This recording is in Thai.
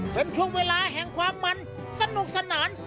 เป็นช่วงเวลาแห่งความมันสนุกสนาน